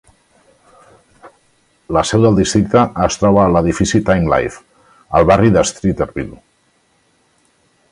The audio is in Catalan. La seu del districte es troba a l'edifici Time-Life, al barri de Streeterville.